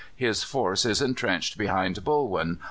His force is entrenched behind Bulwen.